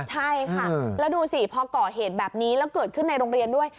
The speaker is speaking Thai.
ใช่ค่ะแล้วดูสิพอก่อเหตุแบบนี้แล้วเกิดขึ้นในโรงเรียนด้วย